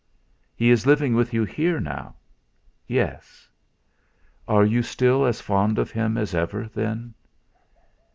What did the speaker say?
"He is living with you here now?" "Yes." "Are you still as fond of him as ever, then?"